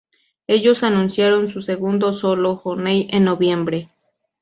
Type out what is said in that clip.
Ellos anunciaron su segundo solo, "Honey", en noviembre.